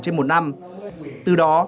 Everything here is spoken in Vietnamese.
trên một năm từ đó